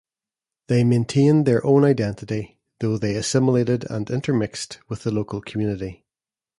They maintained their own identity though they assimilated and intermixed with the local community.